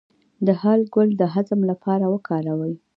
د هل ګل د هضم لپاره وکاروئ